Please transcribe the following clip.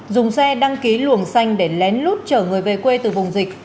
dùng xe đăng ký luồng xanh để lén lút chở người về quê từ vùng dịch